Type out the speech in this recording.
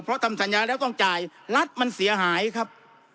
เพราะทำสัญญาแล้วต้องจ่ายรัฐมันเสียหายครับ